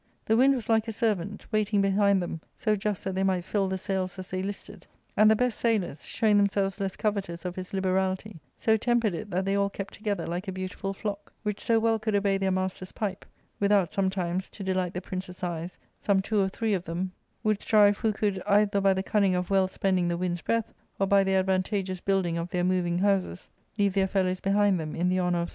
The wind was like a servant ; waiting behind them so just that they might fill the sails as they listed ; and the best sailers, showirig themselves less covetous of his liberaHty, so tempered it that they all kept together like a beautiful flock, which so well could obey their master's pipe ; without, sometimes, to delight the prince's eyes, some two or three of them would strive who He had bid a tedious delay." Here used as a past participle ; f^^., he had endured. r' 152 ^ ARCADIA. — Book IT. j could, either by the cunning of well spending the windl '3 breath, or by the advantageous building of their moving houses, leave their fellows behind them in the honour of.